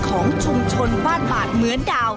ของชุมชนบ้านบาดเหมือนดาว